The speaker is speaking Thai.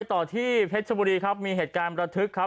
ต่อที่เพชรชบุรีครับมีเหตุการณ์ประทึกครับ